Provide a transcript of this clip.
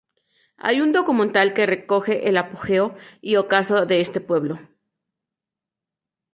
Hay un documental que recoge el apogeo y ocaso de este pueblo.